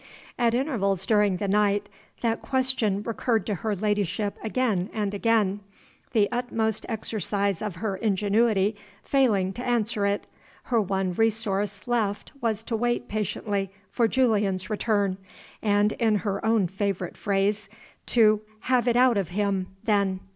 At intervals during the night that question recurred to her ladyship again and again. The utmost exercise of her ingenuity failing to answer it, her one resource left was to wait patiently for Julian's return, and, in her own favorite phrase, to "have it out of him" then.